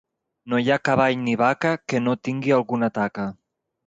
No hi ha cavall ni vaca que no tingui alguna taca.